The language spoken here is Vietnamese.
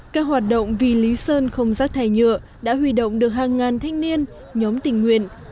các hoạt động vì lý sơn không rác thải nhựa đã huy động được hàng ngàn thanh niên nhóm tình nguyện